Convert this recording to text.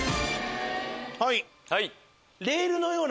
はい！